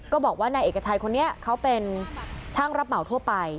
บอกว่านายเอกชัยคนนี้เขาเป็นช่างรับเหมาทั่วไป